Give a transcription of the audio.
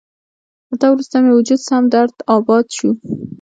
له تا وروسته مې وجود سم درداباد شو